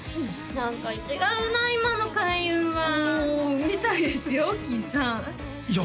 何か違うな今の開運はみたいですよキイさんいや